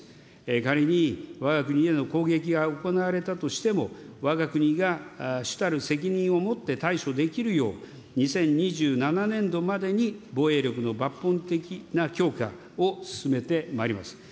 仮に、わが国への攻撃が行われたとしても、わが国が主たる責任を持って対処できるよう、２０２７年度までに防衛力の抜本的な強化を進めてまいります。